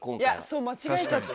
そう間違えちゃった。